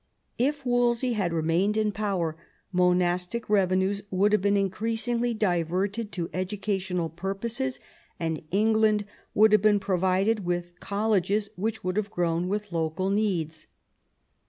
If Wolsey had remained in power monastic revenues would have been increasingly diverted to educational purposes, and England would have been provided with colleges which would have grown with local needs.